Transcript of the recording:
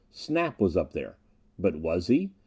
Snap was up there. But was he?